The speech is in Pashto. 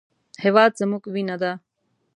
هېواد زموږ وینه ده